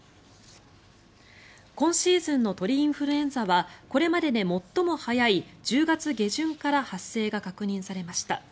今シーズンの鳥インフルエンザはこれまでで最も早い１０月下旬から発生が確認されました。